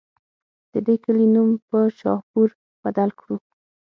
د دې کلي نوم پۀ شاهپور بدل کړو